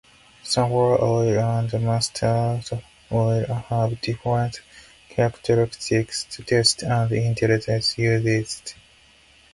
Sunflower oil and mustard oil have different characteristics, taste, and intended uses.